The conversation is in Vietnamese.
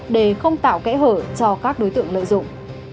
để không tạo kẽ hở cho các đối tượng lợi dụng